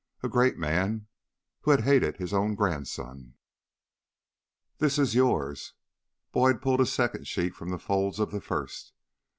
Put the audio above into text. A great man ... who had hated his own grandson. "This is yours...." Boyd pulled a second sheet from the folds of the first.